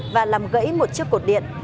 và làm gãy một chiếc cột điện